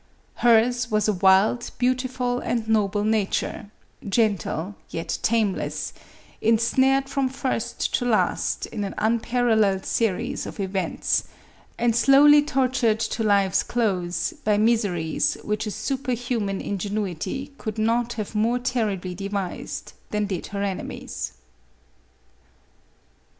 Hers was a wild, beautiful and noble nature, gentle yet tameless, ensnared from first to last in an unparalleled series of events, and slowly tortured to life's close by miseries which a superhuman ingenuity could not have more terribly devised than did her enemies.